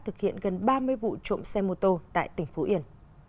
thực hiện gần ba mươi vụ trộm xe mô tô tại tỉnh phú yên